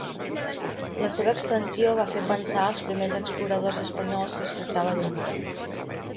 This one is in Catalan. La seva extensió va fer pensar als primers exploradors espanyols que es tractava d'un mar.